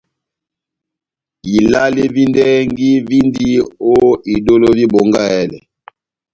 Ilale vi ndɛhɛgi víndi ó idólo vi Bongahɛlɛ.